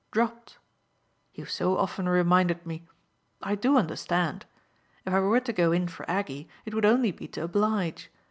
dropped. You've so often reminded me. I do understand. If I were to go in for Aggie it would only be to oblige.